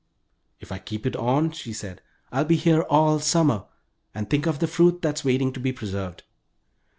"If I keep on," she said, "I'll be here all summer. And think of the fruit that's waiting to be preserved!"